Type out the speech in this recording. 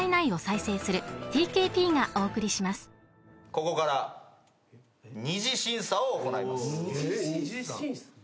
ここから２次審査を行います。